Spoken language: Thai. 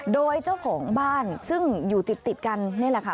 โดยเจ้าของบ้านซึ่งอยู่ติดกันนี่แหละค่ะ